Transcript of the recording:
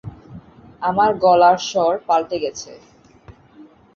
আমার গলার স্বর পাল্টে গেছে।